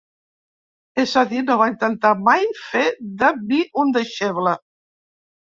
És a dir, no va intentar mai fer de mi un deixeble.